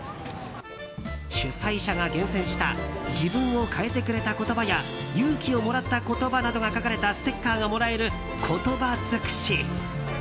主催者が厳選した自分を変えてくれた言葉や勇気をもらった言葉などが書かれたステッカーがもらえる言葉尽くし。